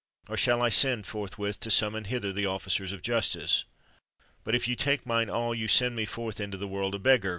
—or shall I send forthwith to summon hither the officers of justice?" "But, if you take mine all, you send me forth into the world a beggar!"